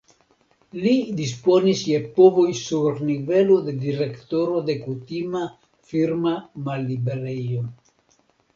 Li disponis je povoj sur nivelo de direktoro de kutima firma malliberejo.